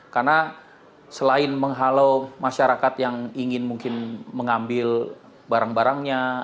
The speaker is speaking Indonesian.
karena selain menghalau masyarakat yang ingin mungkin mengambil barang tersebut